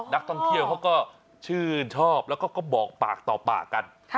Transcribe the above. นักท่องเที่ยวเขาก็ชื่นชอบแล้วก็บอกปากต่อปากกัน